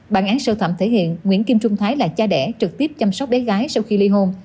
bản án sơ thẩm thể hiện nguyễn kim trung thái là cha đẻ trực tiếp chăm sóc bé gái sau khi ly hôn